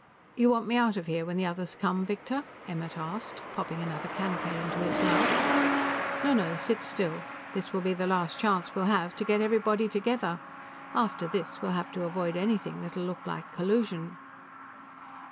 "You want me out of here when the others come, Victor?" Emmert asked, popping another canape into his mouth. "No, no; sit still. This will be the last chance we'll have to get everybody together; after this, we'll have to avoid anything that'll look like collusion."